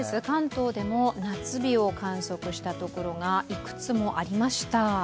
関東でも夏日を観測したところがいくつもありました。